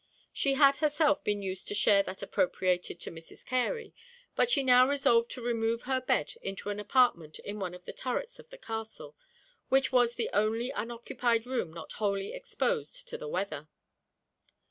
She had herself been used to share that appropriated to Mrs. Carey; but she now resolved to remove her bed into an apartment in one of the turrets of the castle, which was the only unoccupied room not wholly exposed to the weather.